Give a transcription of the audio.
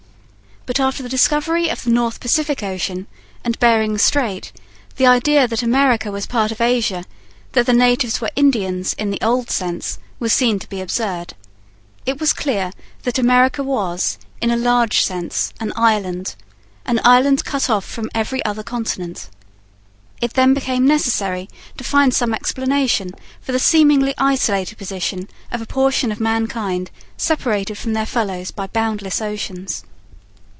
But after the discovery of the North Pacific ocean and Bering Strait the idea that America was part of Asia, that the natives were 'Indians' in the old sense, was seen to be absurd. It was clear that America was, in a large sense, an island, an island cut off from every other continent. It then became necessary to find some explanation for the seemingly isolated position of a portion of mankind separated from their fellows by boundless oceans.